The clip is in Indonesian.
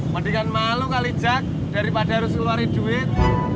mendingan malu kali jak daripada harus keluarin duit